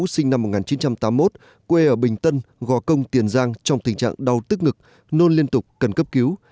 sinh năm một nghìn chín trăm tám mươi một quê ở bình tân gò công tiền giang trong tình trạng đau tức ngực nôn liên tục cần cấp cứu